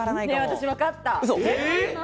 私、わかった。